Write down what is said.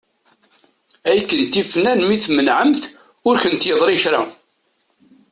Ay kent-ifnan mi tmenεemt ur kent-yeḍri kra.